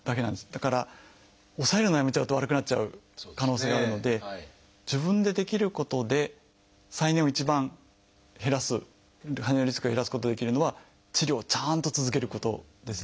だから抑えるのをやめちゃうと悪くなっちゃう可能性があるので自分でできることで再燃を一番減らす再燃のリスクを減らすことができるのは治療をちゃんと続けることですね。